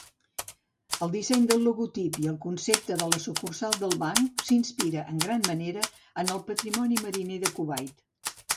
El disseny del logotip i el concepte de la sucursal del banc s'inspira en gran manera en el patrimoni mariner de Kuwait.